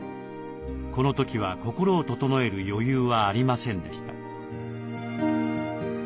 この時は心を整える余裕はありませんでした。